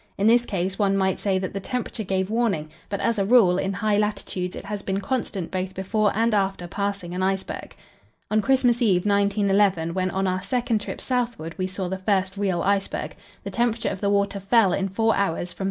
In this case one might say that the temperature gave warning, but, as a rule, in high latitudes it has been constant both before and after passing an iceberg. On Christmas Eve, 1911, when on our second trip southward we saw the first real iceberg, the temperature of the water fell in four hours from 35.